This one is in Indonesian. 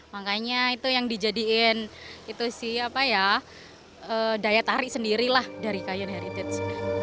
nah makanya itu yang dijadikan daya tarik sendirilah dari kayun heritage